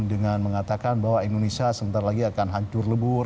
dengan mengatakan bahwa indonesia sebenarnya akan dikuasai oleh asing